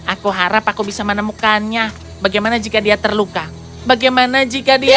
aku harap aku bisa menemukannya bagaimana jika dia terluka bagaimana jika dia